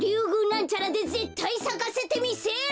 なんちゃらでぜったいさかせてみせる！